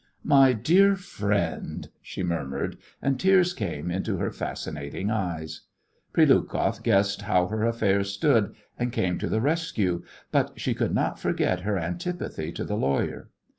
"My dear friend," she murmured, and tears came into her fascinating eyes. Prilukoff guessed how her affairs stood, and came to the rescue, but she could not forget her antipathy to the lawyer.